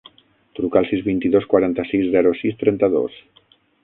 Truca al sis, vint-i-dos, quaranta-sis, zero, sis, trenta-dos.